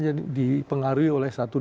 yang dipengaruhi oleh satu